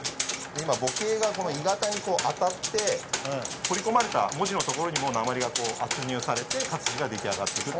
今母型がこの鋳型に当たって彫り込まれた文字のところにも鉛が圧入されて活字が出来上がっていく。